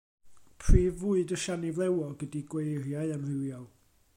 Prif fwyd y siani flewog ydy gweiriau amrywiol.